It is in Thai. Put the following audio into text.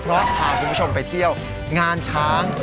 เพราะพาคุณผู้ชมไปเที่ยวงานช้าง